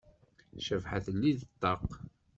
Cabḥa telli-d ṭṭaq.